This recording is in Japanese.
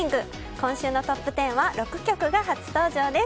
今週のトップ１０は６曲が初登場です。